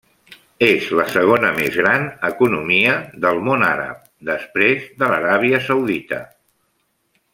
És la segona més gran economia del món àrab, després de l'Aràbia Saudita.